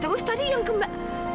terus tadi yang kembar